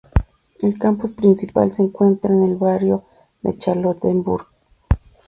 El campus principal se encuentra en el barrio de Charlottenburg.